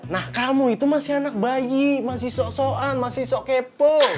nah kamu itu masih anak bayi masih sok soan masih sok kepo